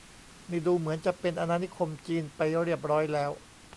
นี่ดูเหมือนจะเป็นอาณานิคมจีนไปเรียบร้อยแล้ว